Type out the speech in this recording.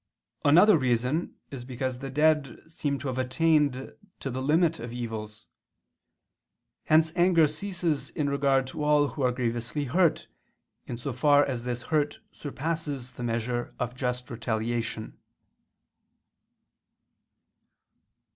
Another reason is because the dead seem to have attained to the limit of evils. Hence anger ceases in regard to all who are grievously hurt, in so far as this hurt surpasses the measure of just retaliation.